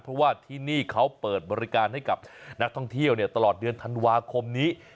เพราะว่าที่นี่เขาเปิดบริการให้กับนักท่องเที่ยวตลอดเดือนธันวาคมนี้